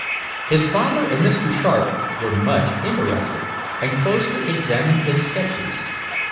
His father and Mr. Sharp were much interested, and closely examined his sketches.